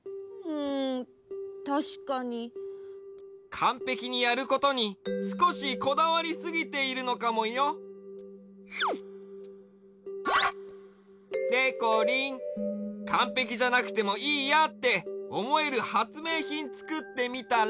かんぺきにやることにすこしこだわりすぎているのかもよ。でこりんかんぺきじゃなくてもいいやっておもえるはつめいひんつくってみたら？